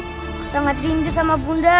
aku sangat rindu sama bunda